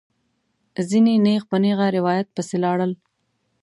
ځینې نېغ په نېغه روایت پسې لاړل.